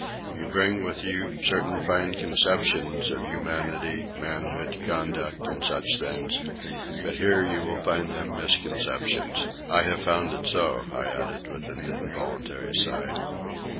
You bring with you certain fine conceptions of humanity, manhood, conduct, and such things; but here you will find them misconceptions. I have found it so," I added, with an involuntary sigh.